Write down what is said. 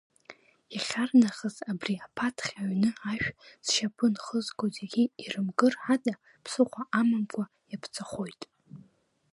Иахьарнахыс абри аԥаҭхь аҩны ашә зшьапы нхызго зегьы ирымкыр ада ԥсыхәа амамкәа иаԥҵахоит!